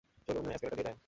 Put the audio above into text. চলুন এস্কেলেটর দিয়ে যাই।